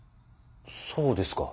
そうですか。